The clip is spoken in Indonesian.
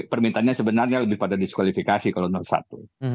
permintanya sebenarnya lebih pada diskualifikasi kalau satu